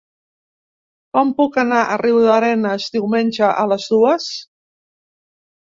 Com puc anar a Riudarenes diumenge a les dues?